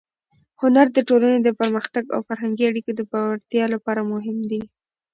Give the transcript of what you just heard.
هنر د ټولنې د پرمختګ او فرهنګي اړیکو د پیاوړتیا لپاره مهم دی.